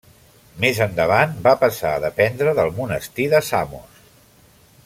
Més endavant va passar a dependre del monestir de Samos.